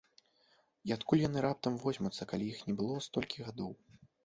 І адкуль яны раптам возьмуцца, калі іх не было столькі гадоў?!